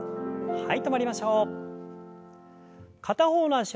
はい。